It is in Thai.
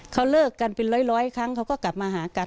เขาเลิกกันเป็นร้อยครั้งเขาก็กลับมาหากัน